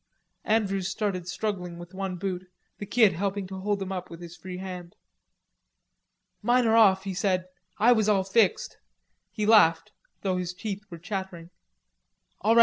Andrews started struggling with one boot, the Kid helping to hold him up with his free hand. "Mine are off," he said. "I was all fixed." He laughed, though his teeth were chattering. "All right.